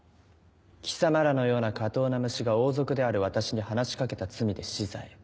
貴様らのような下等な虫が王族である私に話し掛けた罪で死罪。